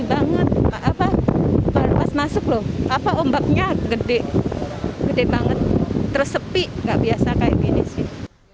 banget apa pas masuk loh apa ombaknya gede gede banget terus sepi nggak biasa kayak gini sih